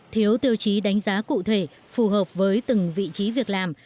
thiếu tiêu chí đánh giá cụ thể phù hợp với từng vị trí việc làm